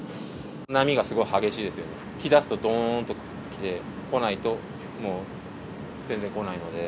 波がすごい激しいので、来だすとどーんと来て、来ないともう、全然来ないので。